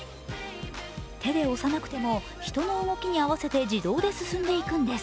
手で押さなくても、人の動きに合わせて自動で進んでいくんです。